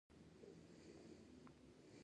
زه د راډیو پروګرام تعقیبوم.